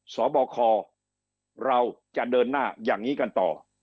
สบคเราจะเดินหน้าอย่างนี้กันต่อ